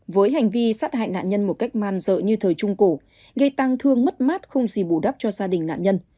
với hành vi sát hại nạn nhân một cách man dợ như thời trung cổ gây tăng thương mất mát không gì bù đắp cho gia đình nạn nhân